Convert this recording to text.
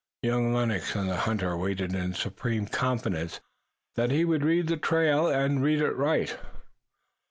Young Lennox and the hunter waited in supreme confidence that he would read the trail and read it right.